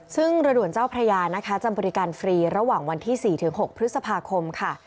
ซึ่งเรือด่วนเจ้าพระยานะคะจะบริการฟรีระหว่างวันที่๔๖พฤษภาคมค่ะ